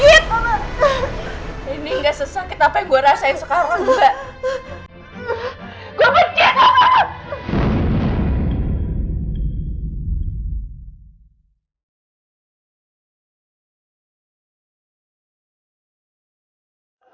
ini gak sesakit apa yang gue rasain sekarang mbak